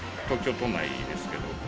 東京都内ですけど。